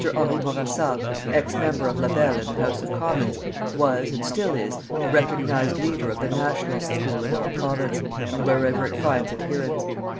Henri Bourassa, ex member of Labelle in the House of Commons, was, and still is, the recognized leader of the "Nationalist School" in our Province, and wherever it finds adherents.